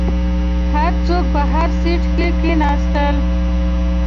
هر څوک په هر سیټ کې کیناستل.